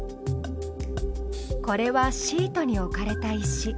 これはシートに置かれた石。